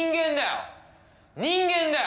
人間だよ。